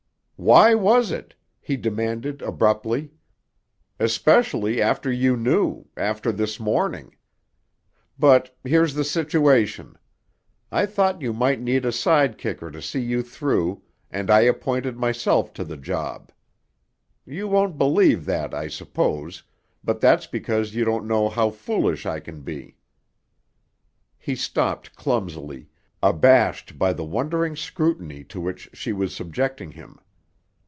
"Why was it?" he demanded abruptly. "Especially after you knew—after this morning. But—here's the situation: I thought you might need a side kicker to see you through, and I appointed myself to the job. You won't believe that, I suppose, but that's because you don't know how foolish I can be." He stopped clumsily, abashed by the wondering scrutiny to which she was subjecting him.